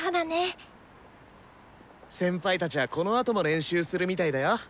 先輩たちはこのあとも練習するみたいだよ。